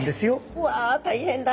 うわ大変だ。